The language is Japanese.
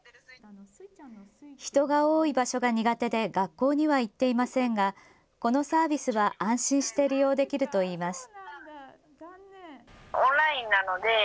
人が多い場所が苦手で学校には行っていませんがこのサービスは安心して利用できるといいます。